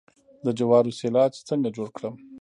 د جوارو سیلاج څنګه جوړ کړم؟